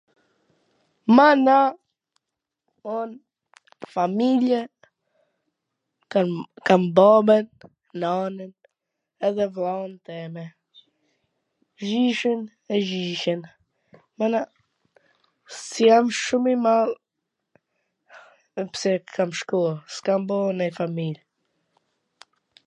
Mana, un familjen kam babwn, nanwn, edhe vllaun teme, gjyshin dhe gjyshen, mana, s jam shum i madh pse kam shkoll, kam bo nonj familje,